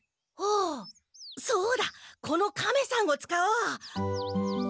あそうだ！このカメさんを使おう！